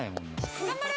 頑張れ！